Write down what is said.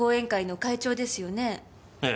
ええ。